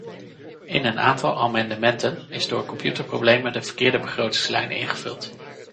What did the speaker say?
In een aantal amendementen is door computerproblemen de verkeerde begrotingslijn ingevuld.